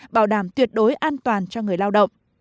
bảo đảm tuyệt đối an toàn cho người lao động